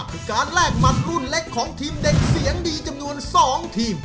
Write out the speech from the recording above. คือการแลกหมัดรุ่นเล็กของทีมเด็กเสียงดีจำนวน๒ทีม